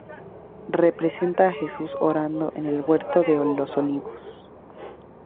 Representa a Jesús orando en el Huerto de los olivos.